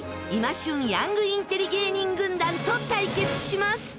今旬ヤングインテリ芸人軍団と対決します！